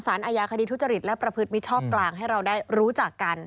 อายาคดีทุจริตและประพฤติมิชชอบกลางให้เราได้รู้จักกัน